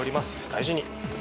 大事に。